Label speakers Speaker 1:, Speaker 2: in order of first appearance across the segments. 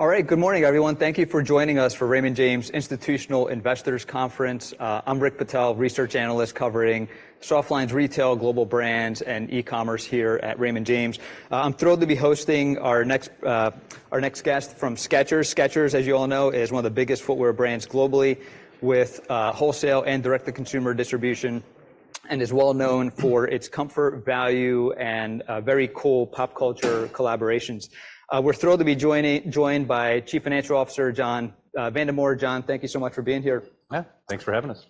Speaker 1: All right, good morning, everyone. Thank you for joining us for Raymond James Institutional Investors Conference. I'm Rick Patel, research analyst covering Softlines, retail, global brands, and e-commerce here at Raymond James. I'm thrilled to be hosting our next guest from Skechers. Skechers, as you all know, is one of the biggest footwear brands globally with wholesale and direct-to-consumer distribution, and is well known for its comfort, value, and very cool pop culture collaborations. We're thrilled to be joined by Chief Financial Officer John Vandemore. John, thank you so much for being here.
Speaker 2: Yeah, thanks for having us.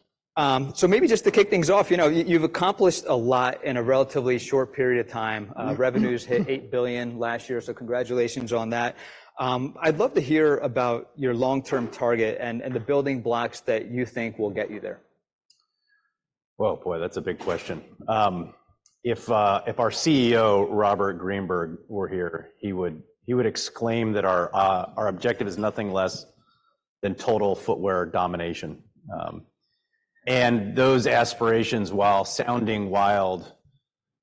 Speaker 1: Maybe just to kick things off, you've accomplished a lot in a relatively short period of time. Revenues hit $8 billion last year, so congratulations on that. I'd love to hear about your long-term target and the building blocks that you think will get you there.
Speaker 2: Well, boy, that's a big question. If our CEO, Robert Greenberg, were here, he would exclaim that our objective is nothing less than total footwear domination. Those aspirations, while sounding wild,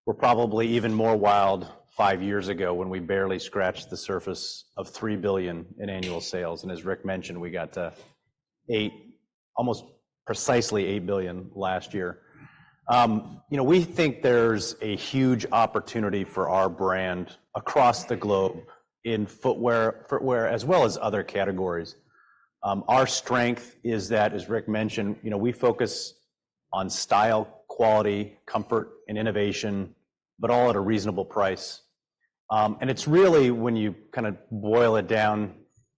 Speaker 2: were probably even more wild five years ago when we barely scratched the surface of $3 billion in annual sales. As Rick mentioned, we got to almost precisely $8 billion last year. We think there's a huge opportunity for our brand across the globe in footwear as well as other categories. Our strength is that, as Rick mentioned, we focus on style, quality, comfort, and innovation, but all at a reasonable price. It's really when you kind of boil it down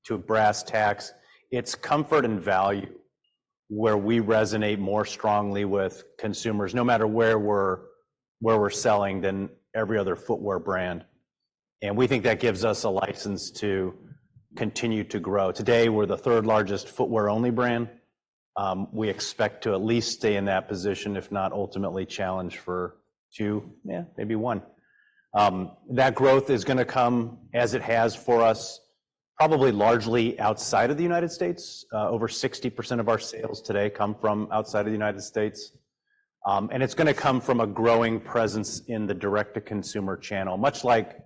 Speaker 2: to brass tacks, it's comfort and value where we resonate more strongly with consumers, no matter where we're selling than every other footwear brand. We think that gives us a license to continue to grow. Today, we're the third largest footwear-only brand. We expect to at least stay in that position, if not ultimately challenge for two, maybe one. That growth is going to come, as it has for us, probably largely outside of the United States. Over 60% of our sales today come from outside of the United States. It's going to come from a growing presence in the direct-to-consumer channel, much like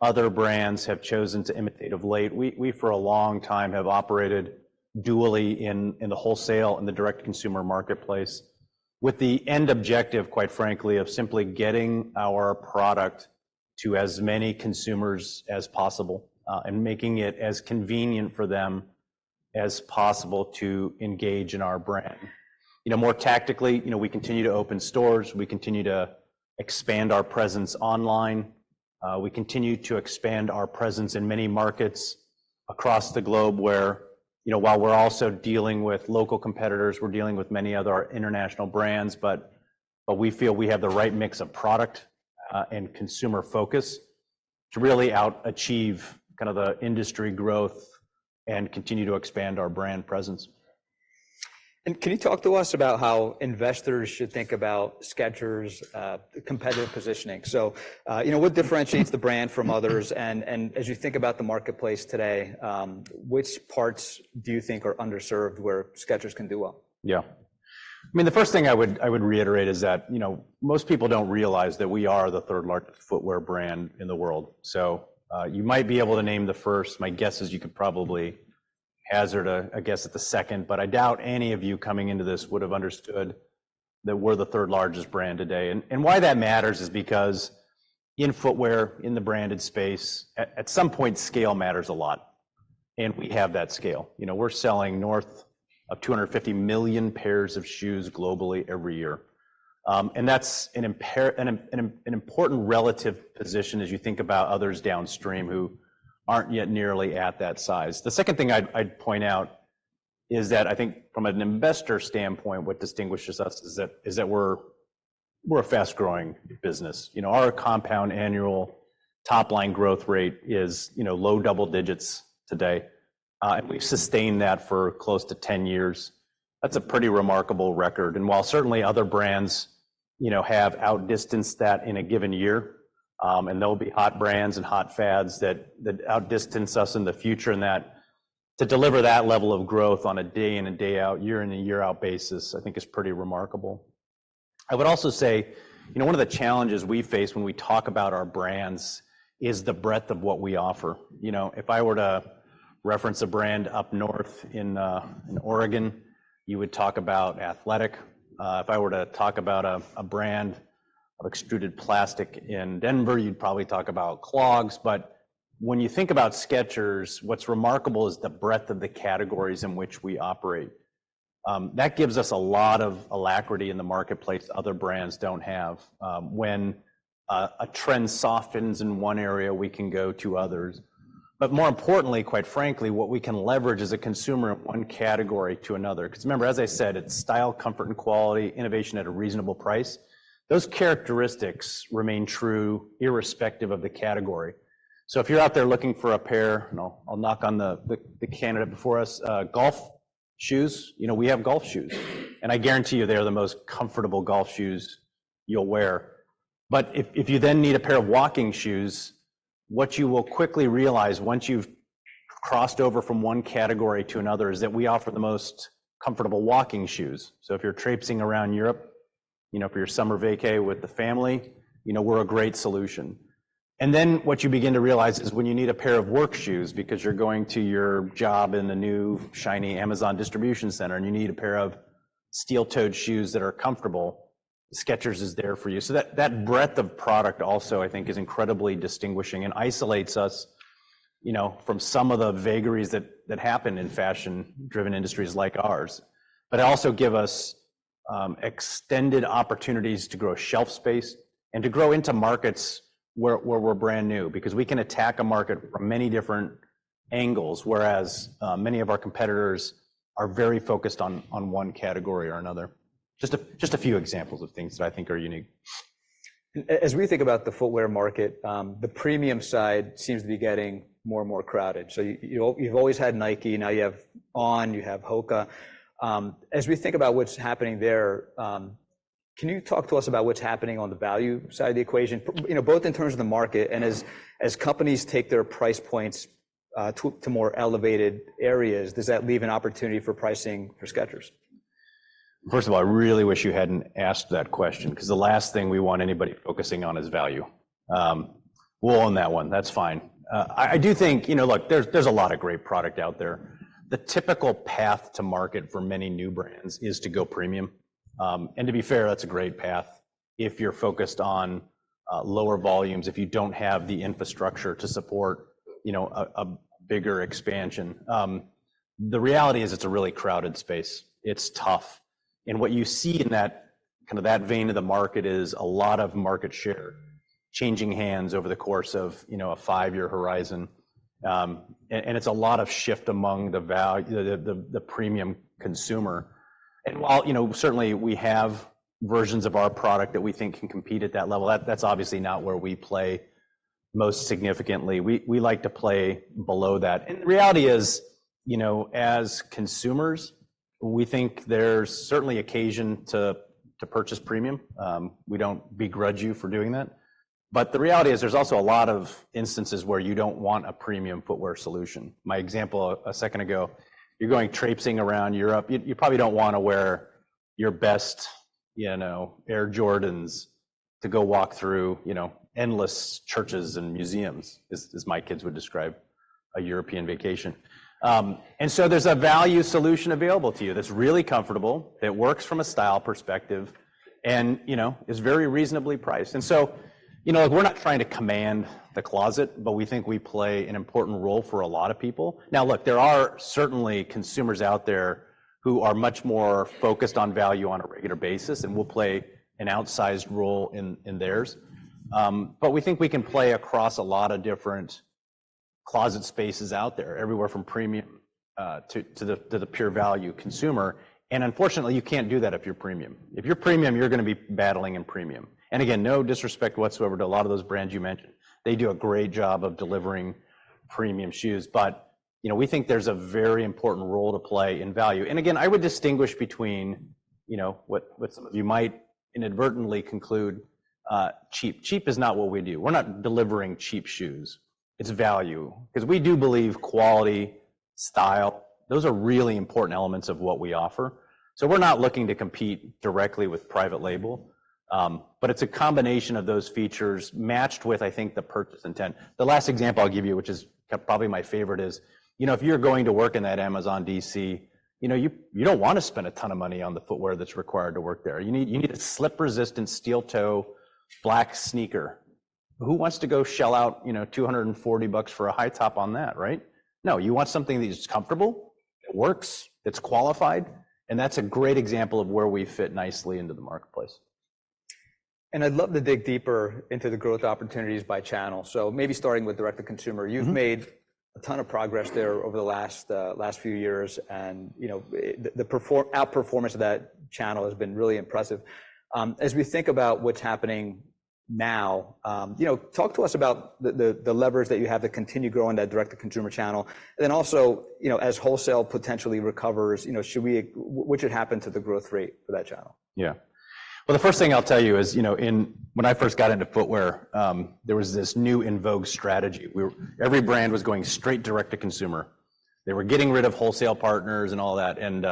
Speaker 2: other brands have chosen to imitate of late. We, for a long time, have operated dually in the wholesale and the direct-to-consumer marketplace, with the end objective, quite frankly, of simply getting our product to as many consumers as possible and making it as convenient for them as possible to engage in our brand. More tactically, we continue to open stores. We continue to expand our presence online. We continue to expand our presence in many markets across the globe where, while we're also dealing with local competitors, we're dealing with many other international brands. But we feel we have the right mix of product and consumer focus to really achieve kind of the industry growth and continue to expand our brand presence.
Speaker 1: Can you talk to us about how investors should think about Skechers' competitive positioning? What differentiates the brand from others? As you think about the marketplace today, which parts do you think are underserved where Skechers can do well?
Speaker 2: Yeah. I mean, the first thing I would reiterate is that most people don't realize that we are the third largest footwear brand in the world. So you might be able to name the first. My guess is you could probably hazard a guess at the second, but I doubt any of you coming into this would have understood that we're the third largest brand today. Why that matters is because in footwear, in the branded space, at some point, scale matters a lot. And we have that scale. We're selling north of 250 million pairs of shoes globally every year. And that's an important relative position as you think about others downstream who aren't yet nearly at that size. The second thing I'd point out is that I think from an investor standpoint, what distinguishes us is that we're a fast-growing business. Our compound annual top-line growth rate is low double digits today. And we've sustained that for close to 10 years. That's a pretty remarkable record. And while certainly other brands have outdistanced that in a given year, and there'll be hot brands and hot fads that outdistance us in the future, and to deliver that level of growth on a day in and day out, year in and year out basis, I think is pretty remarkable. I would also say one of the challenges we face when we talk about our brands is the breadth of what we offer. If I were to reference a brand up north in Oregon, you would talk about athletic. If I were to talk about a brand of extruded plastic in Denver, you'd probably talk about clogs. But when you think about Skechers, what's remarkable is the breadth of the categories in which we operate. That gives us a lot of alacrity in the marketplace other brands don't have. When a trend softens in one area, we can go to others. But more importantly, quite frankly, what we can leverage as a consumer in one category to another, because remember, as I said, it's style, comfort, and quality, innovation at a reasonable price. Those characteristics remain true irrespective of the category. So if you're out there looking for a pair, and I'll knock on the candidate before us, golf shoes, we have golf shoes. And I guarantee you they're the most comfortable golf shoes you'll wear. But if you then need a pair of walking shoes, what you will quickly realize once you've crossed over from one category to another is that we offer the most comfortable walking shoes. So if you're traipsing around Europe, for your summer vacay with the family, we're a great solution. And then what you begin to realize is when you need a pair of work shoes, because you're going to your job in the new shiny Amazon distribution center, and you need a pair of steel-toed shoes that are comfortable, Skechers is there for you. So that breadth of product also, I think, is incredibly distinguishing and isolates us from some of the vagaries that happen in fashion-driven industries like ours. But it also gives us extended opportunities to grow shelf space and to grow into markets where we're brand new, because we can attack a market from many different angles, whereas many of our competitors are very focused on one category or another. Just a few examples of things that I think are unique.
Speaker 1: As we think about the footwear market, the premium side seems to be getting more and more crowded. So you've always had Nike. Now you have On. You have HOKA. As we think about what's happening there, can you talk to us about what's happening on the value side of the equation, both in terms of the market and as companies take their price points to more elevated areas? Does that leave an opportunity for pricing for Skechers?
Speaker 2: First of all, I really wish you hadn't asked that question, because the last thing we want anybody focusing on is value. We'll own that one. That's fine. I do think, look, there's a lot of great product out there. The typical path to market for many new brands is to go premium. To be fair, that's a great path if you're focused on lower volumes, if you don't have the infrastructure to support a bigger expansion. The reality is it's a really crowded space. It's tough. What you see in that kind of vein of the market is a lot of market share changing hands over the course of a five-year horizon. It's a lot of shift among the premium consumer. While certainly we have versions of our product that we think can compete at that level, that's obviously not where we play most significantly. We like to play below that. The reality is, as consumers, we think there's certainly occasion to purchase premium. We don't begrudge you for doing that. But the reality is there's also a lot of instances where you don't want a premium footwear solution. My example a second ago, you're going traipsing around Europe. You probably don't want to wear your best Air Jordans to go walk through endless churches and museums, as my kids would describe a European vacation. And so there's a value solution available to you that's really comfortable, that works from a style perspective, and is very reasonably priced. And so we're not trying to command the closet, but we think we play an important role for a lot of people. Now, look, there are certainly consumers out there who are much more focused on value on a regular basis, and we'll play an outsized role in theirs. But we think we can play across a lot of different closet spaces out there, everywhere from premium to the pure value consumer. And unfortunately, you can't do that if you're premium. If you're premium, you're going to be battling in premium. And again, no disrespect whatsoever to a lot of those brands you mentioned. They do a great job of delivering premium shoes. But we think there's a very important role to play in value. And again, I would distinguish between what some of you might inadvertently conclude cheap. Cheap is not what we do. We're not delivering cheap shoes. It's value, because we do believe quality, style, those are really important elements of what we offer. So we're not looking to compete directly with private label. But it's a combination of those features matched with, I think, the purchase intent. The last example I'll give you, which is probably my favorite, is if you're going to work in that Amazon DC, you don't want to spend a ton of money on the footwear that's required to work there. You need a slip-resistant steel-toe black sneaker. Who wants to go shell out $240 for a high top on that, right? No, you want something that's comfortable, that works, that's qualified. And that's a great example of where we fit nicely into the marketplace.
Speaker 1: I'd love to dig deeper into the growth opportunities by channel. Maybe starting with direct-to-consumer, you've made a ton of progress there over the last few years. The outperformance of that channel has been really impressive. As we think about what's happening now, talk to us about the levers that you have to continue growing that direct-to-consumer channel. As wholesale potentially recovers, should we—what should happen to the growth rate for that channel?
Speaker 2: Yeah. Well, the first thing I'll tell you is, when I first got into footwear, there was this new in vogue strategy. Every brand was going straight direct-to-consumer. They were getting rid of wholesale partners and all that. And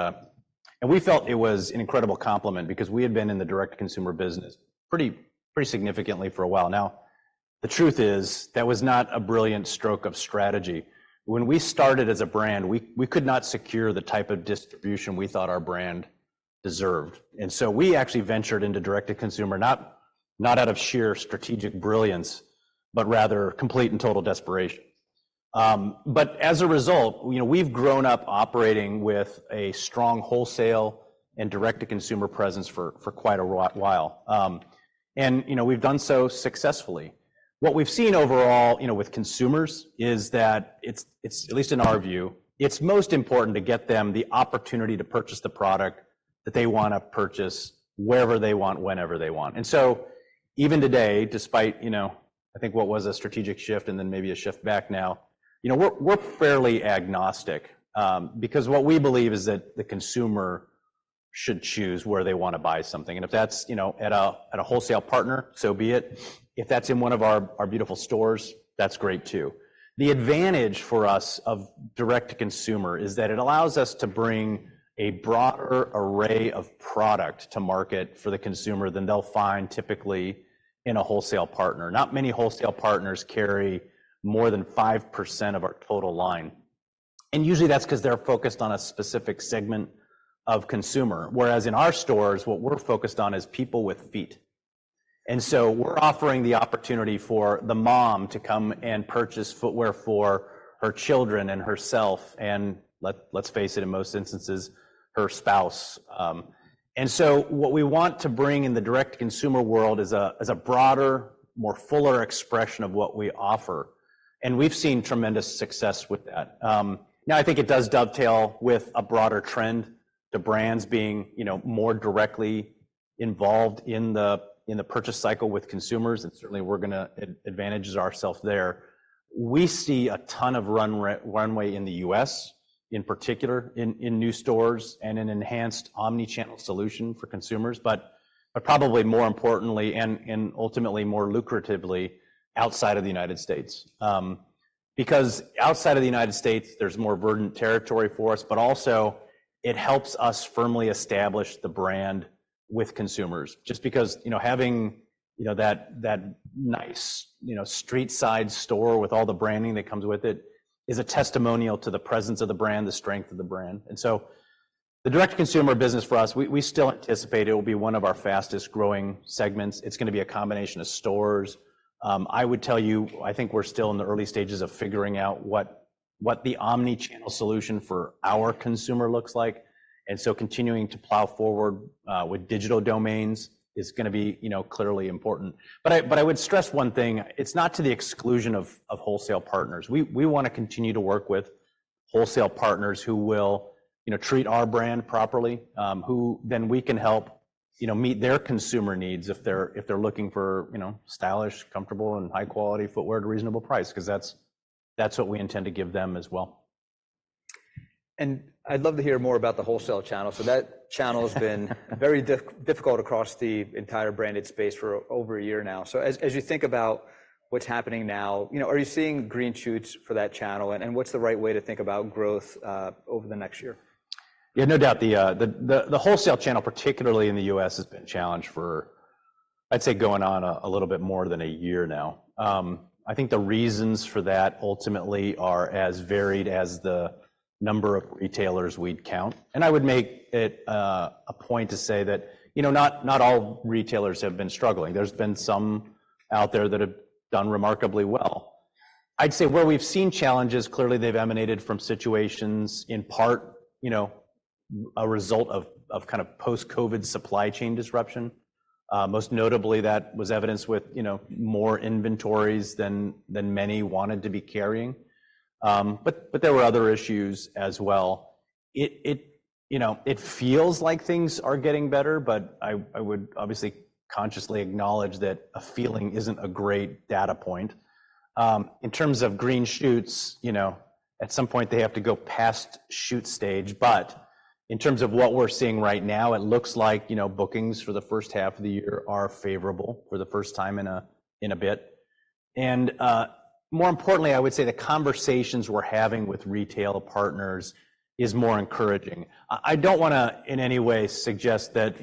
Speaker 2: we felt it was an incredible complement because we had been in the direct-to-consumer business pretty significantly for a while. Now, the truth is that was not a brilliant stroke of strategy. When we started as a brand, we could not secure the type of distribution we thought our brand deserved. And so we actually ventured into direct-to-consumer, not out of sheer strategic brilliance, but rather complete and total desperation. But as a result, we've grown up operating with a strong wholesale and direct-to-consumer presence for quite a while. And we've done so successfully. What we've seen overall with consumers is that, at least in our view, it's most important to get them the opportunity to purchase the product that they want to purchase wherever they want, whenever they want. And so even today, despite I think what was a strategic shift and then maybe a shift back now, we're fairly agnostic. Because what we believe is that the consumer should choose where they want to buy something. And if that's at a wholesale partner, so be it. If that's in one of our beautiful stores, that's great, too. The advantage for us of direct-to-consumer is that it allows us to bring a broader array of product to market for the consumer than they'll find typically in a wholesale partner. Not many wholesale partners carry more than 5% of our total line. And usually that's because they're focused on a specific segment of consumer. Whereas in our stores, what we're focused on is people with feet. And so we're offering the opportunity for the mom to come and purchase footwear for her children and herself and, let's face it, in most instances, her spouse. And so what we want to bring in the direct-to-consumer world is a broader, more fuller expression of what we offer. And we've seen tremendous success with that. Now, I think it does dovetail with a broader trend to brands being more directly involved in the purchase cycle with consumers. And certainly we're going to advantage ourselves there. We see a ton of runway in the U.S., in particular, in new stores and an enhanced omnichannel solution for consumers, but probably more importantly, and ultimately more lucratively, outside of the United States. Because outside of the United States, there's more verdant territory for us, but also it helps us firmly establish the brand with consumers. Just because having that nice street-side store with all the branding that comes with it is a testimonial to the presence of the brand, the strength of the brand. And so the direct-to-consumer business for us, we still anticipate it will be one of our fastest growing segments. It's going to be a combination of stores. I would tell you, I think we're still in the early stages of figuring out what the omnichannel solution for our consumer looks like. And so continuing to plow forward with digital domains is going to be clearly important. But I would stress one thing, it's not to the exclusion of wholesale partners. We want to continue to work with wholesale partners who will treat our brand properly, who then we can help meet their consumer needs if they're looking for stylish, comfortable, and high-quality footwear at a reasonable price, because that's what we intend to give them as well.
Speaker 1: I'd love to hear more about the wholesale channel. That channel has been very difficult across the entire branded space for over a year now. As you think about what's happening now, are you seeing green shoots for that channel? What's the right way to think about growth over the next year?
Speaker 2: Yeah, no doubt. The wholesale channel, particularly in the U.S., has been challenged for, I'd say, going on a little bit more than a year now. I think the reasons for that ultimately are as varied as the number of retailers we'd count. And I would make it a point to say that not all retailers have been struggling. There's been some out there that have done remarkably well. I'd say where we've seen challenges, clearly they've emanated from situations in part a result of kind of post-COVID supply chain disruption. Most notably, that was evidenced with more inventories than many wanted to be carrying. But there were other issues as well. It feels like things are getting better, but I would obviously consciously acknowledge that a feeling isn't a great data point. In terms of green shoots, at some point they have to go past shoot stage. But in terms of what we're seeing right now, it looks like bookings for the first half of the year are favorable for the first time in a bit. More importantly, I would say the conversations we're having with retail partners are more encouraging. I don't want to in any way suggest that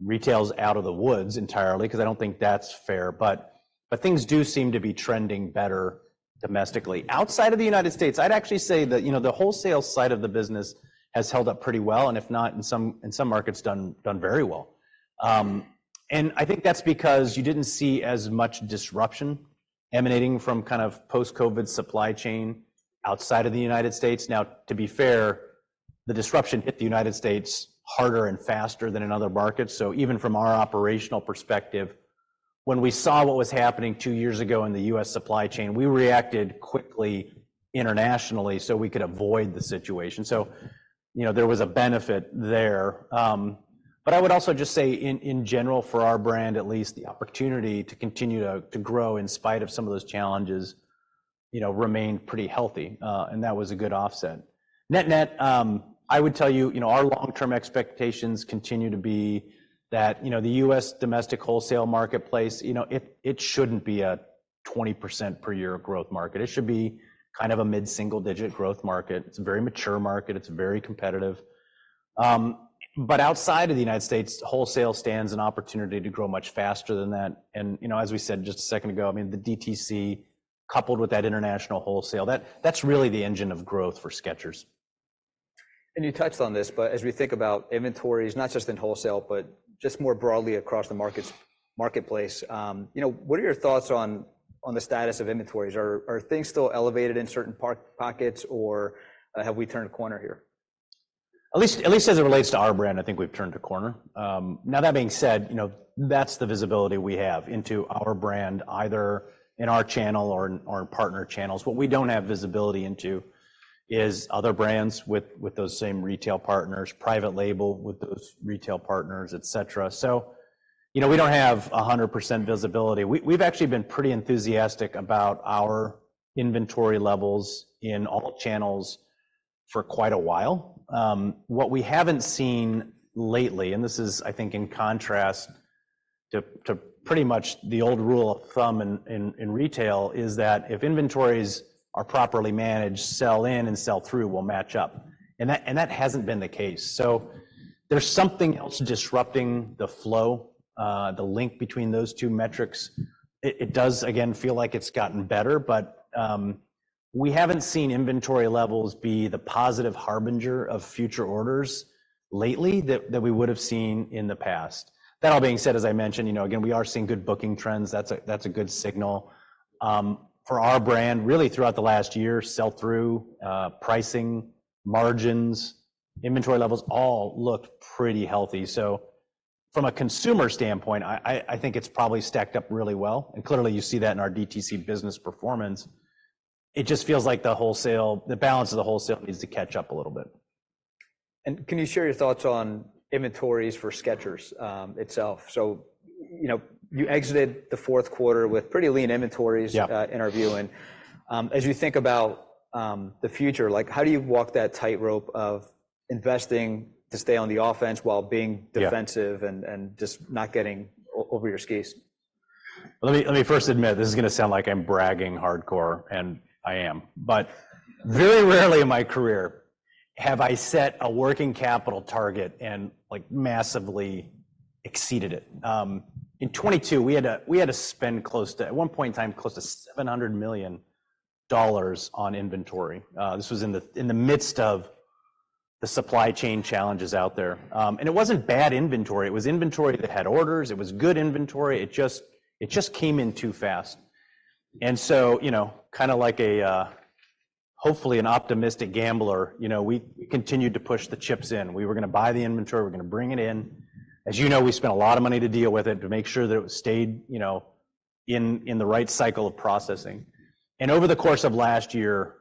Speaker 2: retail is out of the woods entirely, because I don't think that's fair. But things do seem to be trending better domestically. Outside of the United States, I'd actually say that the wholesale side of the business has held up pretty well, and if not in some markets, done very well. I think that's because you didn't see as much disruption emanating from kind of post-COVID supply chain outside of the United States. Now, to be fair, the disruption hit the United States harder and faster than in other markets. Even from our operational perspective, when we saw what was happening two years ago in the U.S. supply chain, we reacted quickly internationally so we could avoid the situation. There was a benefit there. But I would also just say, in general, for our brand, at least the opportunity to continue to grow in spite of some of those challenges remained pretty healthy. That was a good offset. Net-net, I would tell you, our long-term expectations continue to be that the U.S. domestic wholesale marketplace, it shouldn't be a 20% per year growth market. It should be kind of a mid-single digit growth market. It's a very mature market. It's very competitive. But outside of the United States, wholesale stands an opportunity to grow much faster than that. As we said just a second ago, I mean, the DTC, coupled with that international wholesale, that's really the engine of growth for Skechers.
Speaker 1: You touched on this, but as we think about inventories, not just in wholesale, but just more broadly across the marketplace, what are your thoughts on the status of inventories? Are things still elevated in certain pockets, or have we turned a corner here?
Speaker 2: At least as it relates to our brand, I think we've turned a corner. Now, that being said, that's the visibility we have into our brand, either in our channel or in partner channels. What we don't have visibility into is other brands with those same retail partners, private label with those retail partners, etc. So we don't have 100% visibility. We've actually been pretty enthusiastic about our inventory levels in all channels for quite a while. What we haven't seen lately, and this is, I think, in contrast to pretty much the old rule of thumb in retail, is that if inventories are properly managed, sell in and sell through will match up. That hasn't been the case. So there's something else disrupting the flow, the link between those two metrics. It does, again, feel like it's gotten better, but we haven't seen inventory levels be the positive harbinger of future orders lately that we would have seen in the past. That all being said, as I mentioned, again, we are seeing good booking trends. That's a good signal. For our brand, really, throughout the last year, sell-through, pricing, margins, inventory levels all looked pretty healthy. So from a consumer standpoint, I think it's probably stacked up really well. And clearly, you see that in our DTC business performance. It just feels like the wholesale, the balance of the wholesale needs to catch up a little bit.
Speaker 1: Can you share your thoughts on inventories for Skechers itself? You exited the fourth quarter with pretty lean inventories, in our view. As you think about the future, how do you walk that tightrope of investing to stay on the offense while being defensive and just not getting over your skis?
Speaker 2: Let me first admit, this is going to sound like I'm bragging hardcore, and I am. But very rarely in my career have I set a working capital target and massively exceeded it. In 2022, we had a spend close to, at one point in time, close to $700 million on inventory. This was in the midst of the supply chain challenges out there. And it wasn't bad inventory. It was inventory that had orders. It was good inventory. It just came in too fast. And so, kind of like a, hopefully, an optimistic gambler, we continued to push the chips in. We were going to buy the inventory. We're going to bring it in. As you know, we spent a lot of money to deal with it, to make sure that it stayed in the right cycle of processing. Over the course of last year,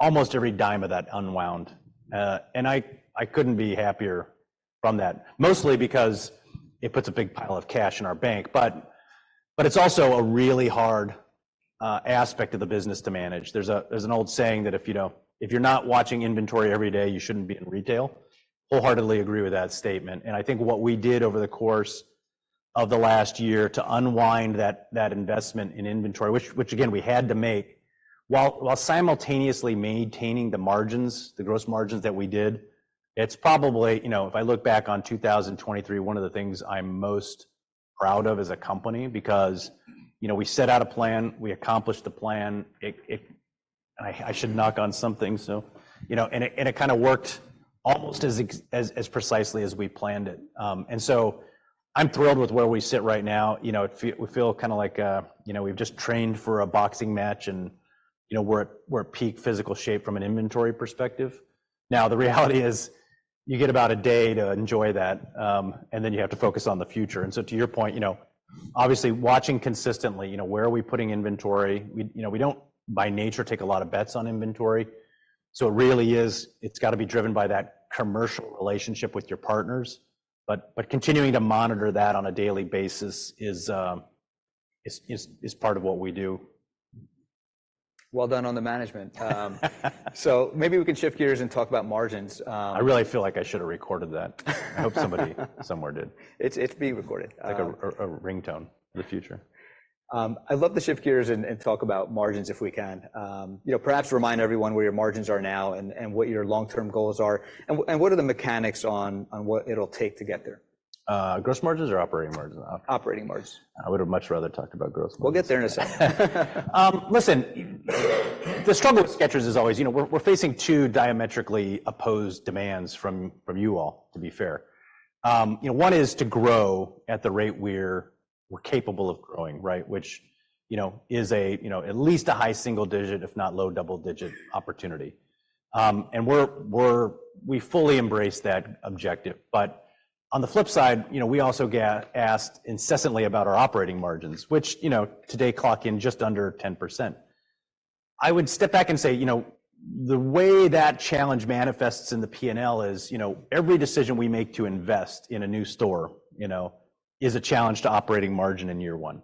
Speaker 2: almost every dime of that unwound. I couldn't be happier from that, mostly because it puts a big pile of cash in our bank. But it's also a really hard aspect of the business to manage. There's an old saying that if you're not watching inventory every day, you shouldn't be in retail. Wholeheartedly agree with that statement. I think what we did over the course of the last year to unwind that investment in inventory, which, again, we had to make, while simultaneously maintaining the margins, the gross margins that we did, it's probably, if I look back on 2023, one of the things I'm most proud of as a company, because we set out a plan, we accomplished the plan, and I should knock on something. It kind of worked almost as precisely as we planned it. And so I'm thrilled with where we sit right now. We feel kind of like we've just trained for a boxing match, and we're at peak physical shape from an inventory perspective. Now, the reality is, you get about a day to enjoy that, and then you have to focus on the future. And so to your point, obviously, watching consistently, where are we putting inventory? We don't, by nature, take a lot of bets on inventory. So it really is, it's got to be driven by that commercial relationship with your partners. But continuing to monitor that on a daily basis is part of what we do.
Speaker 1: Well done on the management. Maybe we can shift gears and talk about margins.
Speaker 2: I really feel like I should have recorded that. I hope somebody somewhere did.
Speaker 1: It's being recorded.
Speaker 2: Like a ringtone in the future.
Speaker 1: I'd love to shift gears and talk about margins if we can. Perhaps remind everyone where your margins are now and what your long-term goals are. What are the mechanics on what it'll take to get there?
Speaker 2: Gross margins or operating margins?
Speaker 1: Operating margins.
Speaker 2: I would have much rather talked about gross margins.
Speaker 1: We'll get there in a second.
Speaker 2: Listen, the struggle with Skechers is always, we're facing two diametrically opposed demands from you all, to be fair. One is to grow at the rate we're capable of growing, right? Which is at least a high single digit, if not low double digit opportunity. We fully embrace that objective. On the flip side, we also asked incessantly about our operating margins, which today clock in just under 10%. I would step back and say, the way that challenge manifests in the P&L is every decision we make to invest in a new store is a challenge to operating margin in year one.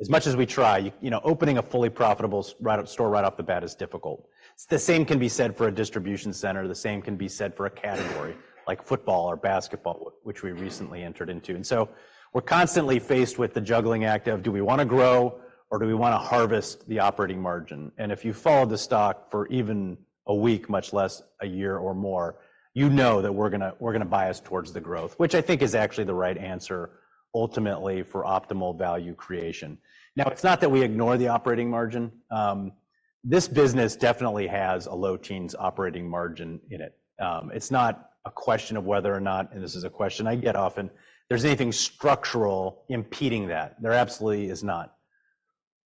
Speaker 2: As much as we try, opening a fully profitable store right off the bat is difficult. The same can be said for a distribution center. The same can be said for a category, like football or basketball, which we recently entered into. And so we're constantly faced with the juggling act of, do we want to grow, or do we want to harvest the operating margin? And if you follow the stock for even a week, much less a year or more, you know that we're going to bias towards the growth, which I think is actually the right answer, ultimately, for optimal value creation. Now, it's not that we ignore the operating margin. This business definitely has a low teens operating margin in it. It's not a question of whether or not, and this is a question I get often, there's anything structural impeding that. There absolutely is not.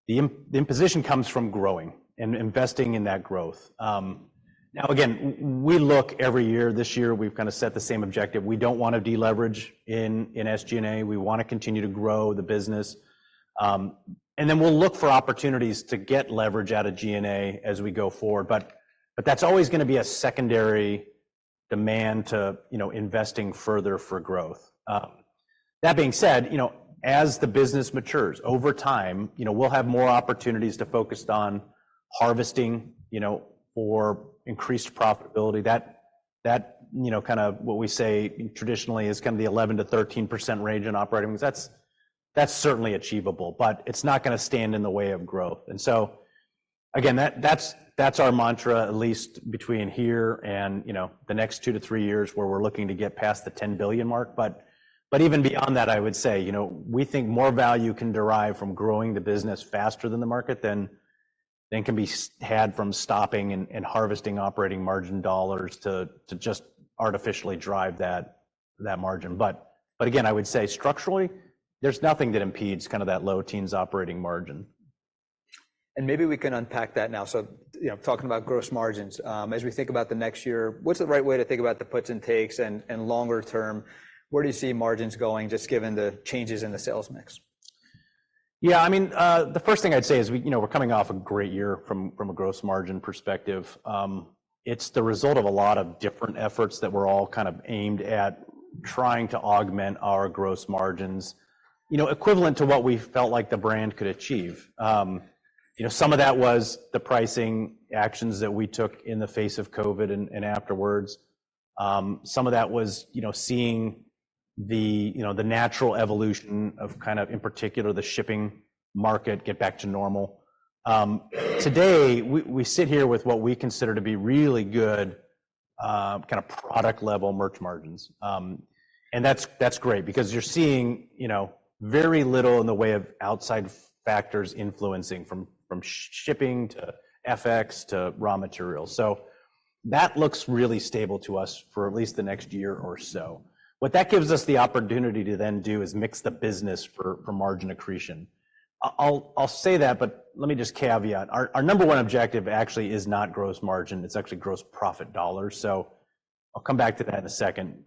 Speaker 2: The imposition comes from growing and investing in that growth. Now, again, we look every year. This year, we've kind of set the same objective. We don't want to deleverage in SG&A. We want to continue to grow the business. And then we'll look for opportunities to get leverage out of G&A as we go forward. But that's always going to be a secondary demand to investing further for growth. That being said, as the business matures over time, we'll have more opportunities to focus on harvesting for increased profitability. That kind of what we say traditionally is kind of the 11%-13% range in operating margins. That's certainly achievable, but it's not going to stand in the way of growth. And so again, that's our mantra, at least between here and the next two to three years, where we're looking to get past the $10 billion mark. But even beyond that, I would say, we think more value can derive from growing the business faster than the market than can be had from stopping and harvesting operating margin dollars to just artificially drive that margin. But again, I would say structurally, there's nothing that impedes kind of that low teens operating margin.
Speaker 1: And maybe we can unpack that now. So talking about gross margins, as we think about the next year, what's the right way to think about the puts and takes and longer term? Where do you see margins going, just given the changes in the sales mix?
Speaker 2: Yeah, I mean, the first thing I'd say is we're coming off a great year from a gross margin perspective. It's the result of a lot of different efforts that we're all kind of aimed at trying to augment our gross margins, equivalent to what we felt like the brand could achieve. Some of that was the pricing actions that we took in the face of COVID and afterwards. Some of that was seeing the natural evolution of kind of, in particular, the shipping market get back to normal. Today, we sit here with what we consider to be really good kind of product-level merch margins. And that's great because you're seeing very little in the way of outside factors influencing, from shipping to FX to raw materials. So that looks really stable to us for at least the next year or so. What that gives us the opportunity to then do is mix the business for margin accretion. I'll say that, but let me just caveat. Our number one objective actually is not gross margin. It's actually gross profit dollars. So I'll come back to that in a second.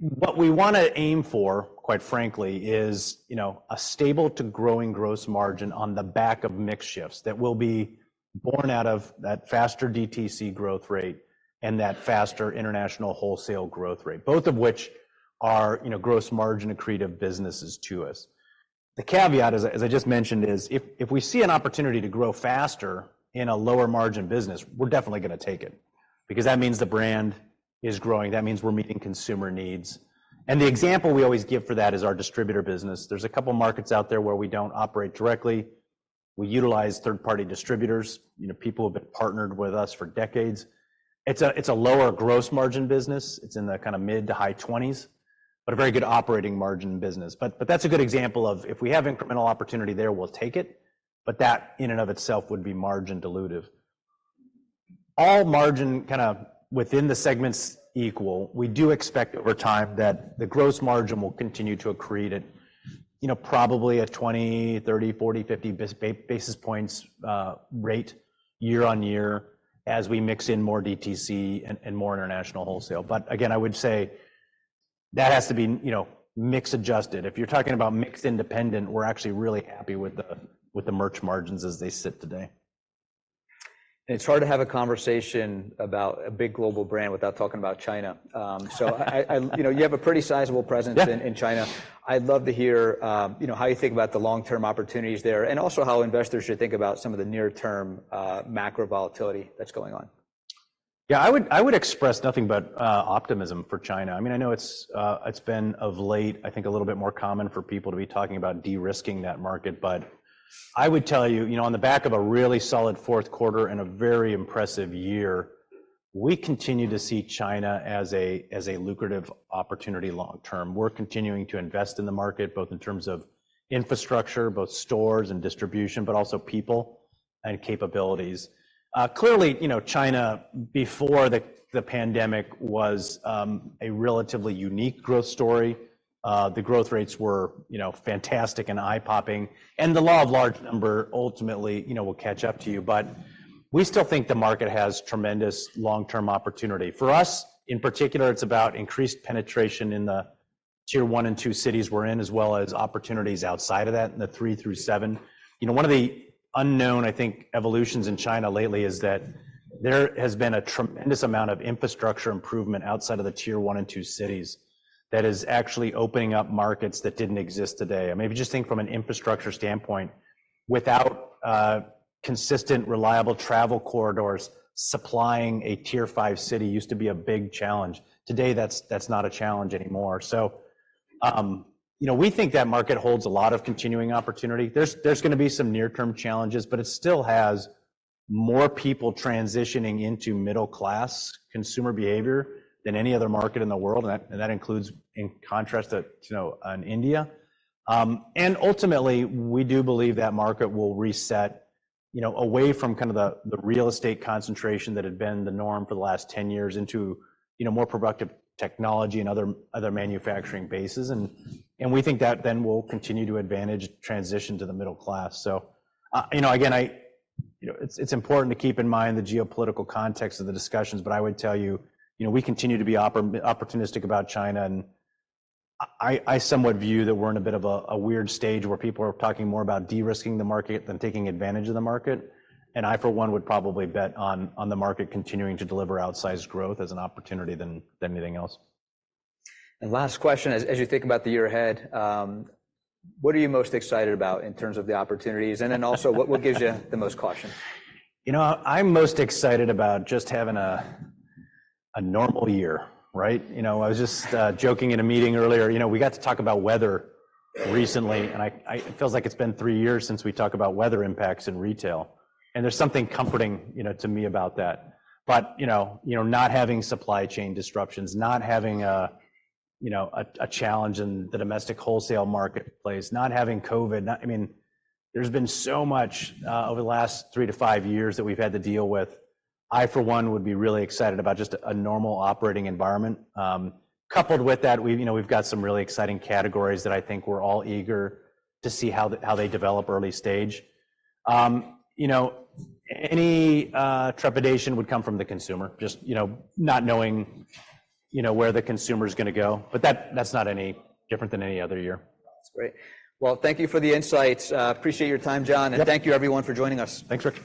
Speaker 2: What we want to aim for, quite frankly, is a stable to growing gross margin on the back of mix shifts that will be born out of that faster DTC growth rate and that faster international wholesale growth rate, both of which are gross margin accretive businesses to us. The caveat, as I just mentioned, is if we see an opportunity to grow faster in a lower margin business, we're definitely going to take it because that means the brand is growing. That means we're meeting consumer needs. And the example we always give for that is our distributor business. There's a couple of markets out there where we don't operate directly. We utilize third-party distributors, people who have been partnered with us for decades. It's a lower gross margin business. It's in the kind of mid to high 20s, but a very good operating margin business. But that's a good example of if we have incremental opportunity there, we'll take it. But that in and of itself would be margin dilutive. All margin kind of within the segments equal, we do expect over time that the gross margin will continue to accrete at probably a 20, 30, 40, 50 basis points rate year-on-year as we mix in more DTC and more international wholesale. But again, I would say that has to be mix adjusted. If you're talking about mixed independent, we're actually really happy with the merch margins as they sit today.
Speaker 1: It's hard to have a conversation about a big global brand without talking about China. You have a pretty sizable presence in China. I'd love to hear how you think about the long-term opportunities there and also how investors should think about some of the near-term macro volatility that's going on.
Speaker 2: Yeah, I would express nothing but optimism for China. I mean, I know it's been of late, I think, a little bit more common for people to be talking about de-risking that market. But I would tell you, on the back of a really solid fourth quarter and a very impressive year, we continue to see China as a lucrative opportunity long-term. We're continuing to invest in the market, both in terms of infrastructure, both stores and distribution, but also people and capabilities. Clearly, China, before the pandemic, was a relatively unique growth story. The growth rates were fantastic and eye-popping. And the law of large number ultimately will catch up to you. But we still think the market has tremendous long-term opportunity. For us in particular, it's about increased penetration in the Tier 1 and 2 cities we're in, as well as opportunities outside of that in the 3 through 7. One of the unknown, I think, evolutions in China lately is that there has been a tremendous amount of infrastructure improvement outside of the Tier 1 and 2 cities that is actually opening up markets that didn't exist today. Maybe just think from an infrastructure standpoint, without consistent, reliable travel corridors, supplying a Tier 5 city used to be a big challenge. Today, that's not a challenge anymore. So we think that market holds a lot of continuing opportunity. There's going to be some near-term challenges, but it still has more people transitioning into middle-class consumer behavior than any other market in the world. And that includes, in contrast to India. Ultimately, we do believe that market will reset away from kind of the real estate concentration that had been the norm for the last 10 years into more productive technology and other manufacturing bases. And we think that then will continue to advantage transition to the middle class. So again, it's important to keep in mind the geopolitical context of the discussions. But I would tell you, we continue to be opportunistic about China. And I somewhat view that we're in a bit of a weird stage where people are talking more about de-risking the market than taking advantage of the market. And I, for one, would probably bet on the market continuing to deliver outsized growth as an opportunity than anything else.
Speaker 1: Last question, as you think about the year ahead, what are you most excited about in terms of the opportunities? Then also, what gives you the most caution?
Speaker 2: You know, I'm most excited about just having a normal year, right? I was just joking in a meeting earlier. We got to talk about weather recently, and it feels like it's been three years since we talked about weather impacts in retail. And there's something comforting to me about that. But not having supply chain disruptions, not having a challenge in the domestic wholesale marketplace, not having COVID, I mean, there's been so much over the last three to five years that we've had to deal with. I, for one, would be really excited about just a normal operating environment. Coupled with that, we've got some really exciting categories that I think we're all eager to see how they develop early stage. Any trepidation would come from the consumer, just not knowing where the consumer is going to go. But that's not any different than any other year.
Speaker 1: That's great. Well, thank you for the insights. Appreciate your time, John. Thank you, everyone, for joining us.
Speaker 2: Thanks, Rick.